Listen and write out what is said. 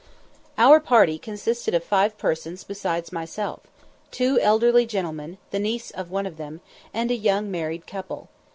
Our party consisted of five persons besides myself, two elderly gentlemen, the niece of one of them, and a young married couple.